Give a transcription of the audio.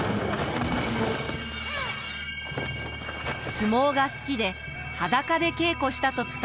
相撲が好きで裸で稽古したと伝わる信長。